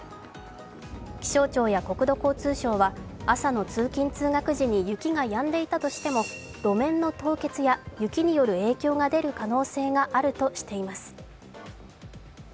気象庁や国土交通省は朝の通勤・通学時に雪がやんでいたとしても路面の凍結や雪による影響が出る可能性があるとしています。